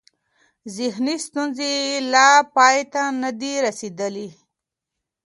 ذهني ستونزې یې لا پای ته نه دي رسېدلې.